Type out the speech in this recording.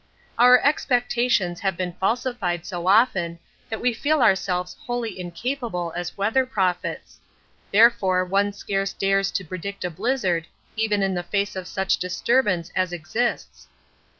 Our expectations have been falsified so often that we feel ourselves wholly incapable as weather prophets therefore one scarce dares to predict a blizzard even in face of such disturbance as exists.